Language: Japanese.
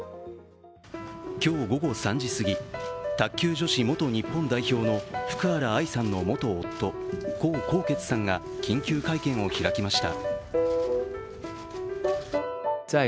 今日午後３時すぎ、卓球女子日本代表の福原愛さんの元夫・江宏傑さんが緊急会見を開きました。